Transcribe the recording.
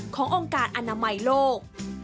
ของโครงการอนามัยโลก